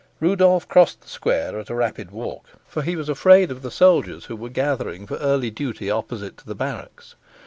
Rudolf crossed the square at a rapid walk, for he was afraid of the soldiers who were gathering for early duty opposite to the barracks.